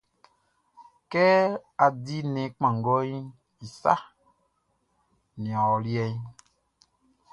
Kɛ á dí nnɛn kpanngɔʼn i saʼn, nian ɔ liɛʼn.